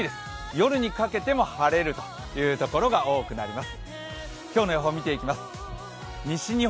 夜にかけても晴れるというところが多くになります。